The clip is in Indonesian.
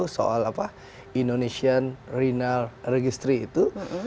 soal indonesian renal registry itu